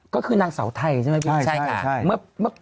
ก็คือนางเสาไทยใช่ไหมพี่